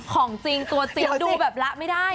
ของจริงตัวจริงดูแบบละไม่ได้